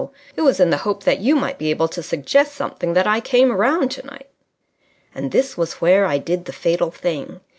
It was in the hope that you might be able to suggest something that I came round tonight." And this was where I did the fatal thing.